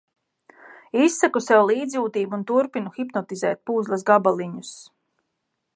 Izsaku sev līdzjūtību un turpinu hipnotizēt puzles gabaliņus.